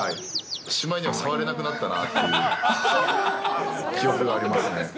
しまいには触れなくなったなっていう記憶がありますね。